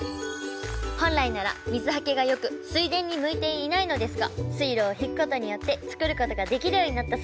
本来なら水はけがよく水田に向いていないのですが水路を引くことによって作ることができるようになったそうです。